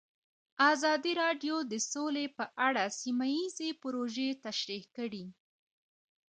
ازادي راډیو د سوله په اړه سیمه ییزې پروژې تشریح کړې.